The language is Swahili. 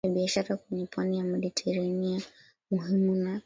ya biashara kwenye pwani ya Mediteranea Muhimu zaidi